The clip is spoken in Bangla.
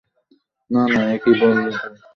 না, না, এ কী বললি তুই?